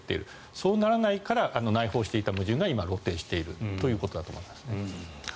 そうなっていないから内包していた矛盾が今、露呈しているということですね。